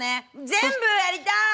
全部やりたい！